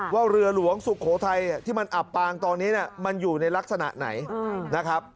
ว่าเรือหลวงสุโขทัยที่มันอับปางตอนนี้มันอยู่ในลักษณะไหนนะครับ